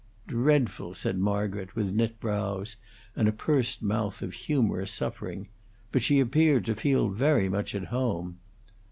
"Dreadful!" said Margaret, with knit brows, and a pursed mouth of humorous suffering. "But she appeared to feel very much at home."